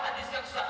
nabi sp bersanda